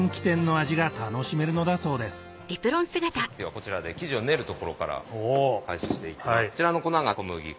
こちらで生地を練るところから開始していきます。